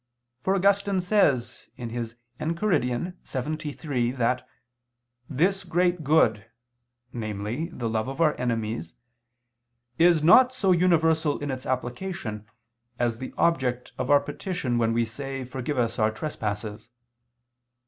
For Augustine says (Enchiridion lxxiii) that "this great good," namely, the love of our enemies, is "not so universal in its application, as the object of our petition when we say: Forgive us our trespasses."